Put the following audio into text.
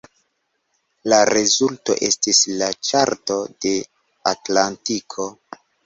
La rezulto estis la Ĉarto de Atlantiko.